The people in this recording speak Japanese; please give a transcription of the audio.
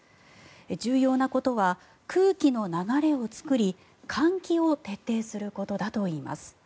重要なことは空気の流れを作り換気を徹底することだといいます。